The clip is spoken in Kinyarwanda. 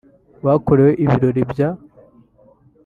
bakorewe ibirori bya